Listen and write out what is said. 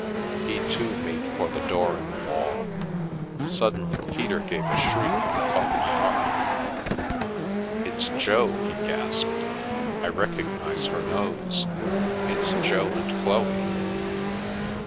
He, too, made for the door in the wall Suddenly Peter gave a shriek and caught my arm. "It's Jo!" he gasped. "I recognise her nose. It's Jo and Chloe